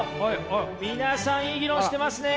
皆さんいい議論してますね。